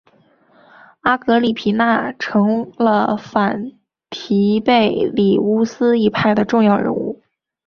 阿格里皮娜成了反提贝里乌斯一派的重要人物。